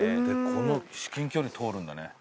この至近距離通るんだね。